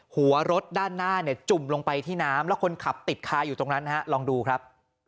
หัวรถด้านหน้าเนี่ยจุ่มลงไปที่น้ำแล้วคนขับติดคาอยู่ตรงนั้นฮะลองดูครับ